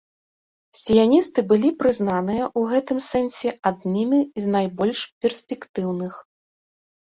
Сіяністы былі прызнаныя ў гэтым сэнсе аднымі з найбольш перспектыўных.